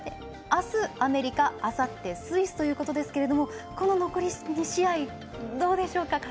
あすアメリカあさってスイスということですがこの残り２試合どうでしょうか。